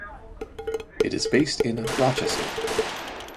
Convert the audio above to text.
It is based in Rochester.